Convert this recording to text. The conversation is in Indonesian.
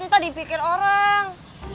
ntar dipikir orang